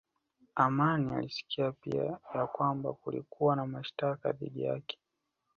Amin alisikia pia ya kwamba kulikuwa na mashtaka dhidi yake